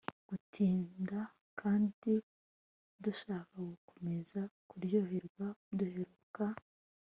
gutinda kandi dushaka gukomeza kuryoherwa Duheruka